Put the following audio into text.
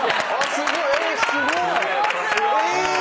すごい。え！